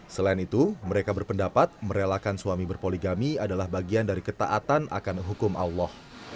selain itu mereka berpendapat merelakan suami berpoligami adalah bagian dari ketaatan akan hukum allah